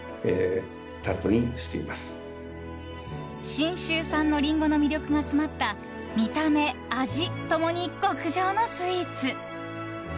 信州産のリンゴの魅力が詰まった見た目、味ともに極上のスイーツ。